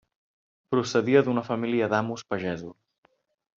Procedia d'una família d'amos pagesos.